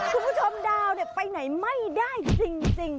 คุณผู้ชมดาวไปไหนไม่ได้จริง